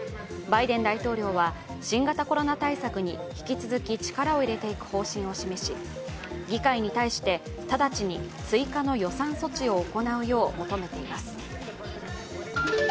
バイデン大統領は新型コロナ対策に引き続き力を入れていく方針を示し議会に対して、直ちに追加の予算措置を行うよう求めています。